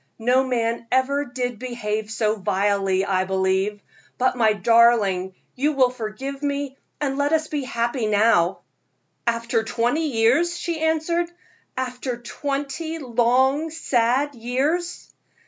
No man ever did behave so vilely, I believe; but, my darling, you will forgive me, and let us be happy now." "After twenty years!" she answered "after twenty long, sad years."